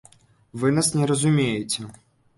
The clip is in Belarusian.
Вы нас не разумееце.